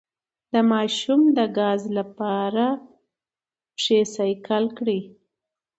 د ماشوم د ګاز لپاره پښې سایکل کړئ